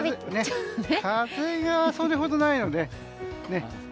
風がそれほどないのでね。